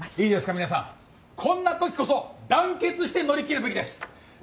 いいですか皆さんこんなときこそ団結して乗り切るべきです。